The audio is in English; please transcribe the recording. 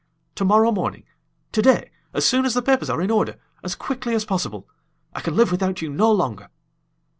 Tomorrow morning today a soon as the papers are in order as quickly as possible. I can live without you no longer!"